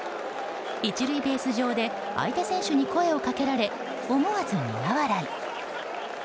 １塁ベース上で相手選手に声をかけられ思わず苦笑い。